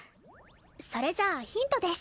それじゃあヒントです。